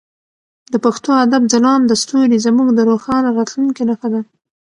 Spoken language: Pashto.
د پښتو ادب ځلانده ستوري زموږ د روښانه راتلونکي نښه ده.